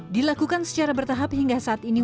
dilakukan secara bertahap hingga saat ini